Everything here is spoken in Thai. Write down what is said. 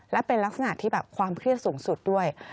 ร่วมขึ้นแบบความเครียดสูงสุดด้วย